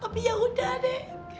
tapi yaudah nek